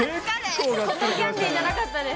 コットンキャンディーじゃなかったです。